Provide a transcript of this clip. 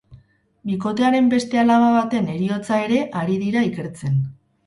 Bikotearen beste alaba baten heriotza ere ari dira ikertzen.